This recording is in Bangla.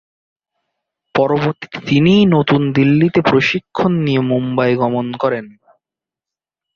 পরবর্তীতে তিনি নতুন দিল্লিতে প্রশিক্ষণ নিয়ে মুম্বই গমন করেন।